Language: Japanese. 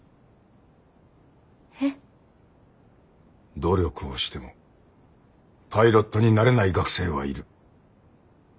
努力をしてもパイロットになれない学生はいる。